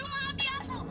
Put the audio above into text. rumah hati aku